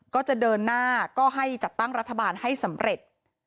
ก็จะเดินหน้าก็ให้จัดตั้งรัฐบาลให้สำเร็จ